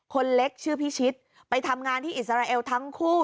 คนเล็กชื่อพิชิตไปทำงานที่อิสราเอลทั้งคู่